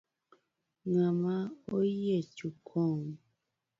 Ngama oyiecho kom?